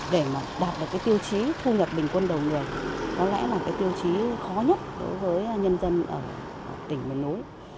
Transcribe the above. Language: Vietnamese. để mà đạt được cái tiêu chí thu nhập bình quân đầu người có lẽ là cái tiêu chí khó nhất đối với nhân dân ở tỉnh miền núi